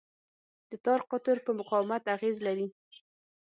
د تار قطر په مقاومت اغېز لري.